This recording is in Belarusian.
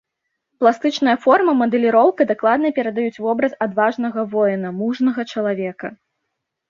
Пластычная форма, мадэліроўка дакладна перадаюць вобраз адважнага воіна, мужнага чалавека.